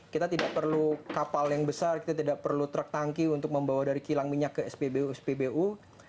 kita tidak perlu kapal yang besar kita tidak perlu truk tangki untuk membawa dari kilang minyak ke spbu